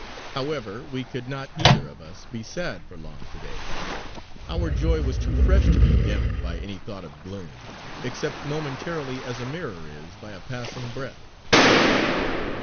However, we could not either of us be sad for long to day. Our joy was too fresh to be dimmed by any thought of gloom, except momentarily as a mirror is by a passing breath.